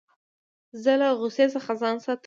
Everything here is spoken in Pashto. زه له غوسې څخه ځان ساتم.